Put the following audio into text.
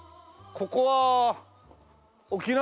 ここは。